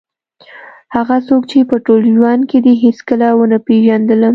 هغه څوک چې په ټول ژوند کې دې هېڅکله ونه پېژندلم.